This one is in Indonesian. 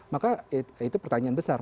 maka itu pertanyaan besar